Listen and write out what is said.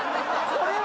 これは。